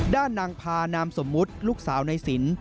ด้านนางพานามสมมุติลูกสาวในสิน